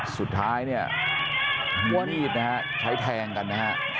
สุดท้ายเนี่ยพวกนี้ใช้แทงกันนะครับ